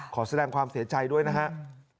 ขอแสดงความเสียใจด้วยนะครับ